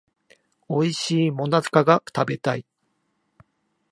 おいしい最中が食べたい